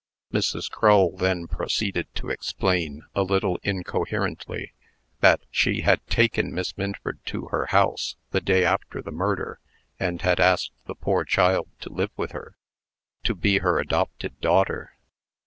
Mrs. Crull then proceeded to explain, a little incoherently, that she had taken Miss Minford to her house, the day after the murder, and had asked the poor child to live with her, to be her adopted daughter.